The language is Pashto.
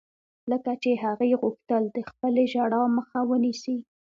لکه چې هغې غوښتل د خپلې ژړا مخه ونيسي.